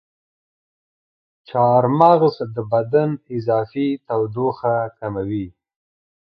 چارمغز د بدن اضافي تودوخه کموي.